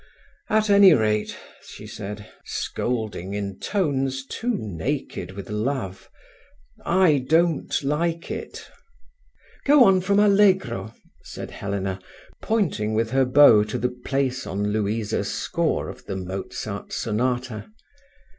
"At any rate," she said, scolding in tones too naked with love, I don't like it." "Go on from Allegro," said Helena, pointing with her bow to the place on Louisa's score of the Mozart sonata.